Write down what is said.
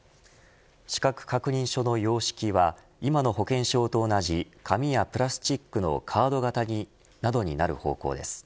資格確認書の様式は今の保険証と同じ紙やプラスチックのカード型などになる方向です。